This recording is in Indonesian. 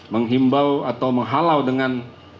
menghimbau atau menghalau dengan